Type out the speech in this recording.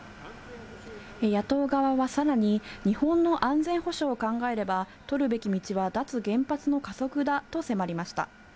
野党側はさらに、日本の安全保障を考えれば、取るべき道は脱原発の加速だと迫りました。